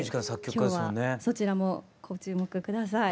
今日はそちらもご注目下さい。